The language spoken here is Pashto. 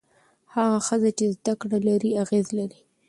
هغه ښځه چې زده کړه لري، اغېز لري.